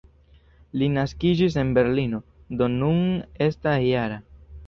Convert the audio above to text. Li naskiĝis en Berlino, do nun estas -jara.